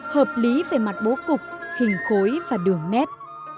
hợp lý về mặt bố cục hình khối và đường nét